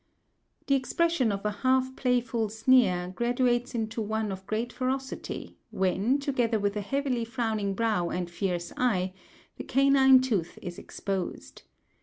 The expression of a half playful sneer graduates into one of great ferocity when, together with a heavily frowning brow and fierce eye, the canine tooth is exposed.